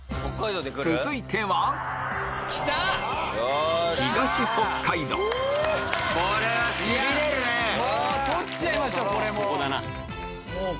続いては取っちゃいましょう！